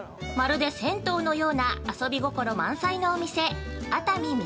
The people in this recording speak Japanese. まるで銭湯のような遊び心満載のお店熱海